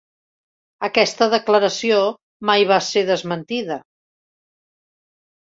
Aquesta declaració mai va ser desmentida.